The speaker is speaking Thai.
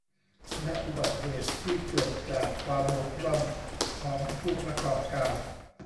และอุบัติเหตุที่เกิดจากความบกพร่องของผู้ประกอบการ